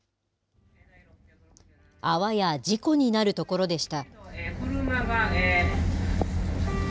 あわや事故になるところでした。